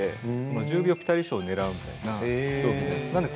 １０秒ぴたり賞をねらうみたいな競技です。